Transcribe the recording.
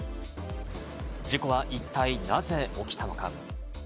事故は一体なぜ起きたのか？